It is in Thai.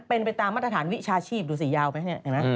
เป็นไปตามมาตรฐานวิชาชีพดูสียาวไหม